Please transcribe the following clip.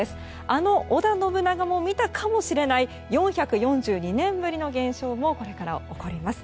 あの織田信長も見たかもしれない４４２年ぶりの現象もこれから起こります。